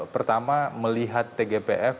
pertama melihat tgpf